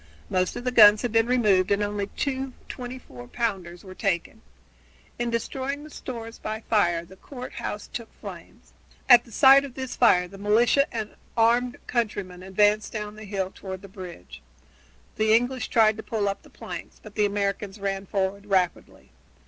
Most of the guns had been removed and only two twenty four pounders were taken. In destroying the stores by fire the court house took flames. At the sight of this fire the militia and armed countrymen advanced down the hill toward the bridge. The English tried to pull up the planks, but the Americans ran forward rapidly.